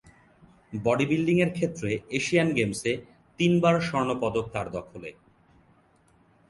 Body building এর ক্ষেত্রে Asian গেমসে তিনবার স্বর্ণ পদক তার দখলে।